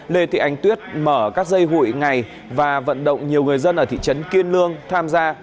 lê thị ánh tuyết mở các dây hụi ngày và vận động nhiều người dân ở thị trấn kiên lương tham gia